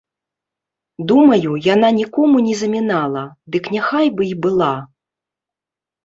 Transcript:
Думаю, яна нікому не замінала, дык няхай бы і была!